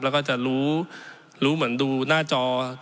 แล้วก็จะรู้รู้เหมือนดูหน้าจอ